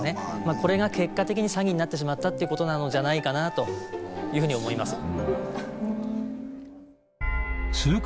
これが結果的に詐欺になってしまったっていうことなのじゃないかなというふうに思います。